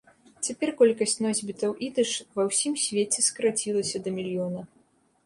Цяпер колькасць носьбітаў ідыш ва ўсім свеце скарацілася да мільёна.